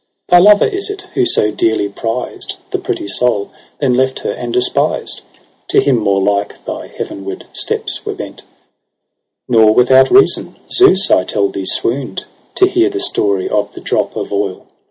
Thy lover is it, who so dearly prized The pretty soul, then left her and despised ? To him more like thy heavenward steps were bent :' Nor without reason : Zeus, I tell thee, swoon'd To hear the story of the drop of oil.